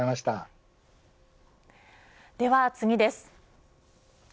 では次です。